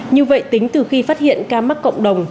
như vậy tính từ khi phát hiện ca mắc cộng đồng